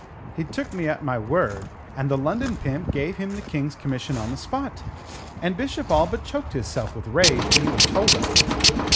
He took me at my word, and the London pimp gave him the King's commission on the spot, and Bishop all but choked hisself with rage when he was told of it.